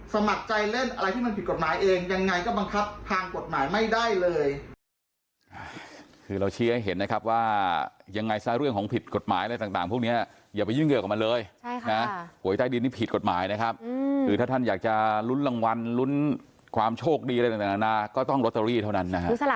สมัครใจเล่นอะไรที่มันผิดกฎหมายเองยังไงก็บังคับทางกฎหมายไม่ได้เลย